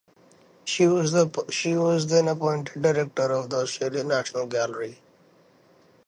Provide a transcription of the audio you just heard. She was then appointed director of the Australian National Gallery.